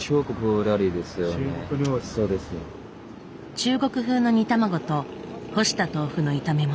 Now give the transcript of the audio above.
中国風の煮卵と干した豆腐の炒め物。